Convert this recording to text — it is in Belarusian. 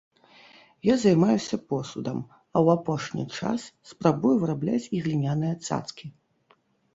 Я займаюся посудам, а ў апошні час спрабую вырабляць і гліняныя цацкі.